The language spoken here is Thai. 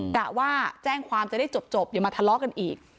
กะว่าแจ้งความจะได้จบอย่ามาทะเลาะกันอีก